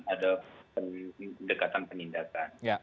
ada pendekatan penindakan